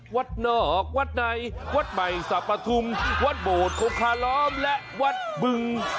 วัดนอกวัดในวัดใหม่สรรพทุมวัดโบดโคคาล้อมและวัดบึง